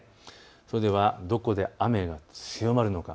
それではどこで雨が強まるのか。